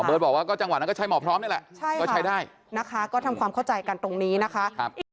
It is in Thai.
หมอเบิร์ดบอกว่าจังหวัดนั้นก็ใช้หมอพร้อมนี่แหละ